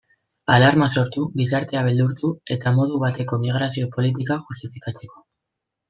Alarma sortu, gizartea beldurtu, eta modu bateko migrazio politikak justifikatzeko.